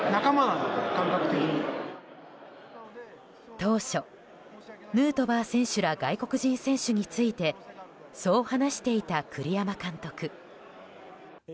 当初、ヌートバー選手ら外国人選手についてそう話していた栗山監督。